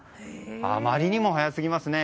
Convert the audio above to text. あまりにも早すぎますね。